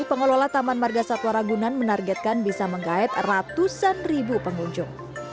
pengelola taman marga satwa ragunan menargetkan bisa mengait ratusan ribu pengunjung